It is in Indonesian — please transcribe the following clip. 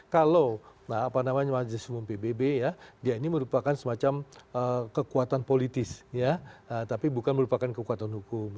kalau majelis umum pbb ya dia ini merupakan semacam kekuatan politis tapi bukan merupakan kekuatan hukum